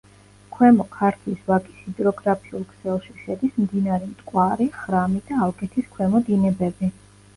ქვემო ქართლის ვაკის ჰიდროგრაფიულ ქსელში შედის მდინარე მტკვარი, ხრამი და ალგეთის ქვემო დინებები.